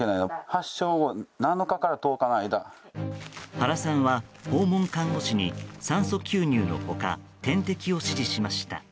原さんは、訪問看護師に酸素吸入の他点滴を指示しました。